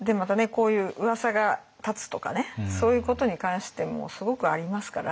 こういううわさが立つとかねそういうことに関してもすごくありますから。